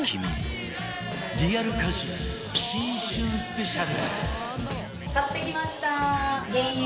リアル家事新春スペシャル